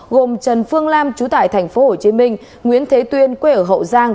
gồm trần phương lam chú tại tp hcm nguyễn thế tuyên quê ở hậu giang